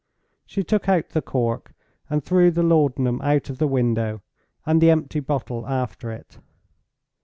She took out the cork, and threw the laudanum out of window, and the empty bottle after it.